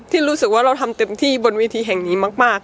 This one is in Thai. ที่รู้สึกว่าเราทำเต็มที่บนเวทีแห่งนี้มาก